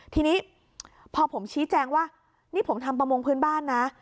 ทีนี้พอผมชี้แจงว่านี่ผมทำประมงพื้นบ้านนะ